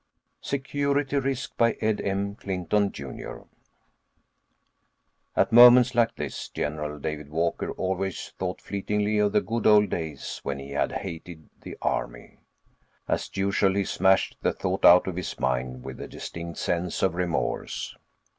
SECURITY RISK BY ED M. CLINTON, JR. Illustrated by Ed Emsh At moments like this, General David Walker always thought fleetingly of the good old days when he had hated the army. As usual, he smashed the thought out of his mind with a distinct sense of remorse.